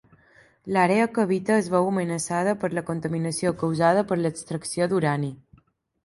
L'àrea que habita es veu amenaçada per la contaminació causada per l'extracció d'urani.